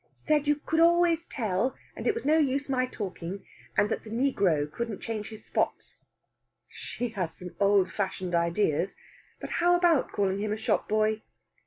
"Said you could always tell, and it was no use my talking, and the negro couldn't change his spots." "She has some old fashioned ideas. But how about calling him a shop boy?"